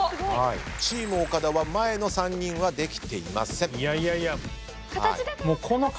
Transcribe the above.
チーム岡田は前の３人はできていません。